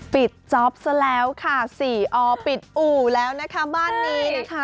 จ๊อปซะแล้วค่ะสี่อปิดอู่แล้วนะคะบ้านนี้นะคะ